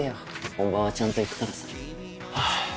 本番はちゃんと行くからさハァ